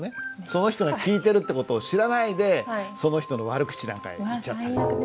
その人が聞いてるって事を知らないでその人の悪口なんか言っちゃったりして。